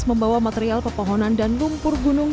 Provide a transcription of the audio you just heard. membawa material pepohonan dan lumpur gunung